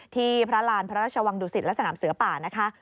ที่พระราณธรรมดุสิตและสนามเสื้อป่านะคะ